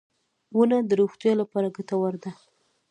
• ونه د روغتیا لپاره ګټوره ده.